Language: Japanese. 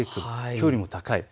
きょうよりも高い。